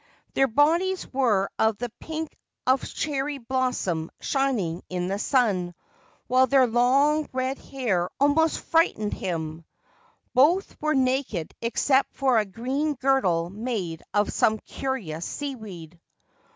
Their bodies were of the pink of cherry blossom shining in the sun, while their long red hair almost frightened him ; both were naked except for a green girdle made of some curious seaweed.